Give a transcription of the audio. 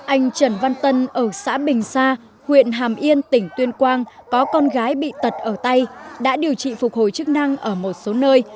anh trần văn tân ở xã bình sa huyện hàm yên tỉnh tuyên quang có con gái bị tật ở tay đã điều trị phục hồi chức năng ở một số nơi